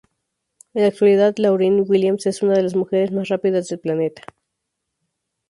En la actualidad Lauryn Williams es una de las mujeres más rápidas del planeta.